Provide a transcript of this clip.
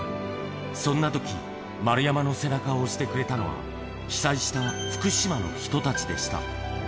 そんなとき、丸山の背中を押してくれたのは、被災した福島の人たちでした。